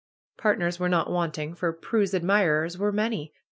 Partners were not wanting, for Prue's admirers were many.